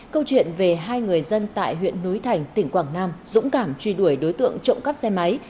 câu chuyện về hai người dân tại huyện núi thành tỉnh quảng nam dũng cảm truy đuổi đối tượng trộm cắp xe máy